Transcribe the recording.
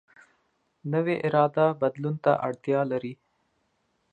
نوې اراده بدلون ته اړتیا لري